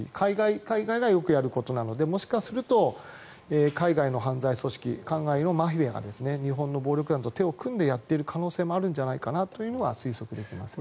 海外がよくやることなのでもしかすると海外の犯罪組織海外のマフィアが日本の暴力団と手を組んでやっている可能性もあるんじゃないかと推測できますね。